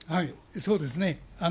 そうですね。